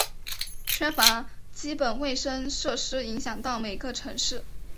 缺乏基本卫生设施影响到每个城市。